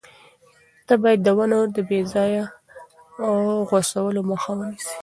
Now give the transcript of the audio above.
ته باید د ونو د بې ځایه غوڅولو مخه ونیسې.